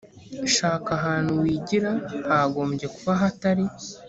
shaka ahantu wigira hagombye kuba hatari